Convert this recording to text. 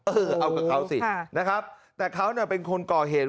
เออเอากับเขาสินะครับแต่เขาเป็นคนก่อเหตุ